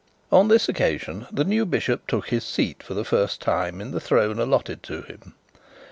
On this occasion the new bishop took his seat for the first time in the throne allotted to him.